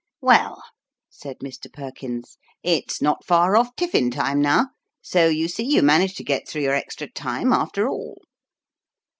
"Well," said Mr. Perkins, "it's not far off tiffin time now ; so, you see, you managed to get through your extra time after all